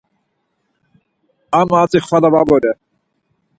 Ama hatzi xvala va vore.